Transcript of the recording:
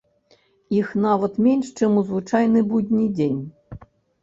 Іх нават менш, чым у звычайны будні дзень.